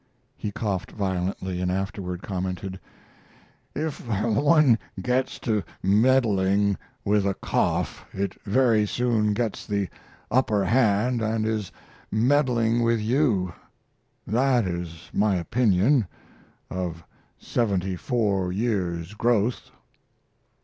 He coughed violently, and afterward commented: "If one gets to meddling with a cough it very soon gets the upper hand and is meddling with you. That is my opinion of seventy four years' growth."